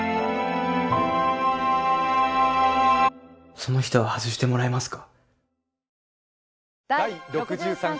その人は外してもらえますか？